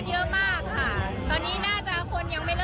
ตอนนี้คนยังไม่เริ่มมาเท่าไหร่ค่ะน่าจะค่ำคำกว่านี้นิดนึงนะคะ